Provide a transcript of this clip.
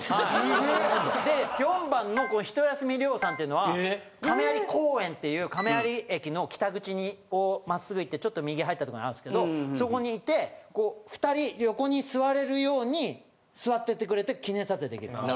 ④番のひとやすみ両さんっていうのは亀有公園っていう亀有駅の北口にをまっすぐ行ってちょっと右入ったところにあるんですけどそこにいてこう２人横に座れるように座っててくれて記念撮影できるんです。